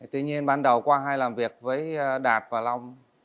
tuy nhiên ban đầu qua hai làm việc với đạt và long